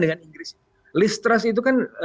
dengan inggris list trust itu kan